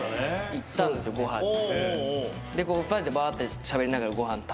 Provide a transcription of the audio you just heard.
行ったんですよご飯に。